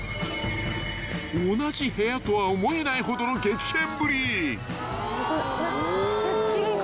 ［同じ部屋とは思えないほどの激変ぶり］